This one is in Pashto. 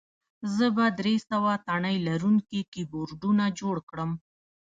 زه به درې سوه تڼۍ لرونکي کیبورډونه جوړ کړم